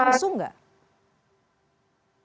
pada saat itu penanganannya langsung